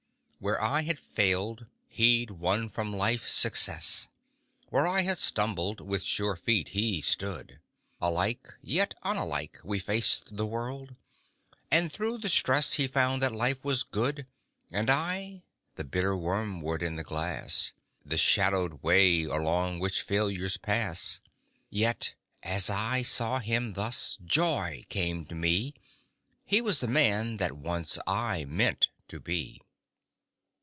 Where I had failed, he'd won from life, Success; Where I had stumbled, with sure feet he stood; Alike yet unalike we faced the world, And through the stress he found that life was good And I? The bitter wormwood in the glass, The shadowed way along which failures pass! Yet as I saw him thus, joy came to me He was the Man that Once I Meant to Be!